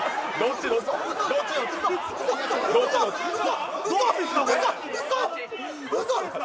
うそ。